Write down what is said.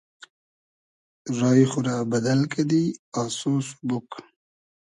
رای خو رۂ بئدئل کئدی آسۉ سوبوگ